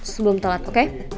sebelum telat oke